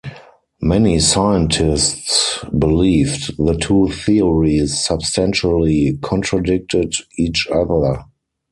Many scientists believed the two theories substantially contradicted each other.